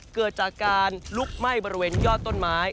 เกิดจากการลุกไหม้บริเวณยอดต้นไม้